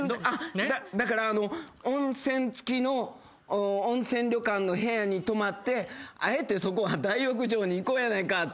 だから温泉付きの温泉旅館の部屋に泊まってあえてそこは大浴場に行こうやないかって。